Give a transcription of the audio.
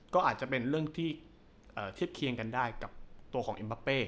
ก็อาจจะเป็นเรื่องที่เทียบเคียงกันได้กับตัวของเอ็มบาเป้